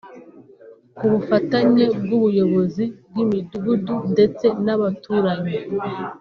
ku bufatanye bw’ubuyobozi bw’imidugudu ndetse n’abaturanyi